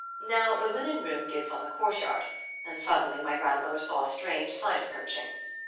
"Now the linen room gives on the court yard, and suddenly my grandmother saw a strange sight approaching.